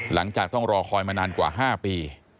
หลังจากต้องรอคอยมานานกว่า๕ปี